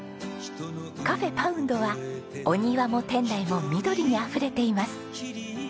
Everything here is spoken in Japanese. カフェＰＯＵＮＤはお庭も店内も緑にあふれています。